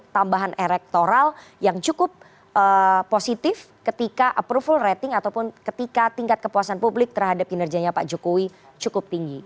tambahan elektoral yang cukup positif ketika approval rating ataupun ketika tingkat kepuasan publik terhadap kinerjanya pak jokowi cukup tinggi